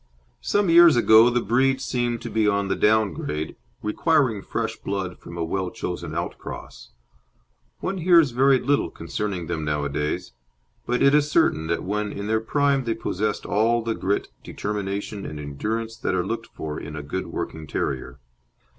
Some years ago the breed seemed to be on the down grade, requiring fresh blood from a well chosen outcross. One hears very little concerning them nowadays, but it is certain that when in their prime they possessed all the grit, determination, and endurance that are looked for in a good working terrier.